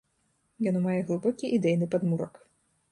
Яно мае глыбокі ідэйны падмурак.